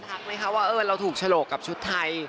ทักไหมคะว่าเราถูกฉลกกับชุดไทย